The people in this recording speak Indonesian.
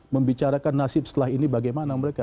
membicarakan nasib setelah ini bagaimana mereka